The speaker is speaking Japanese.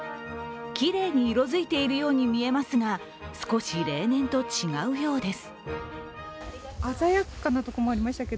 きれいに色づいているように見えますが、少し例年と違うようです。